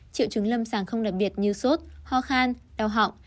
triệu chứng lâm sàng không đặc biệt như sốt ho khan đau họng